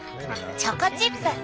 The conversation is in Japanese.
チョコチップ。